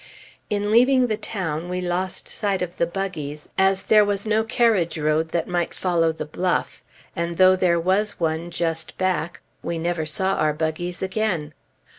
In leaving the town, we lost sight of the buggies, as there was no carriage road that might follow the bluff; and though there was one just back, we never saw our buggies again.